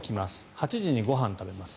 ８時にご飯食べます。